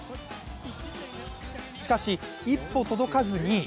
しかし、一歩届かず２位。